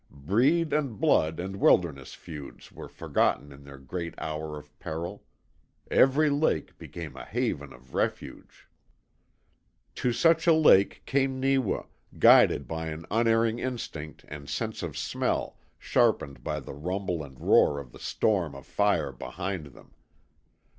Breed and blood and wilderness feuds were forgotten in the great hour of peril. Every lake became a haven of refuge. To such a lake came Neewa, guided by an unerring instinct and sense of smell sharpened by the rumble and roar of the storm of fire behind him.